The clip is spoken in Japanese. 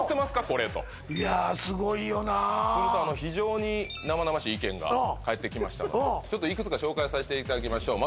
これ」といやあすごいよなすると非常に生々しい意見が返ってきましたのでちょっといくつか紹介させていただきましょう